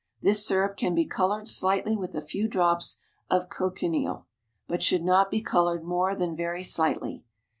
This syrup can be coloured slightly with a few drops of cochineal, but should not be coloured more than very slightly.